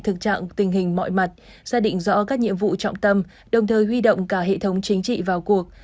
thực trạng tình hình mọi mặt xác định rõ các nhiệm vụ trọng tâm đồng thời huy động cả hệ thống chính trị vào cuộc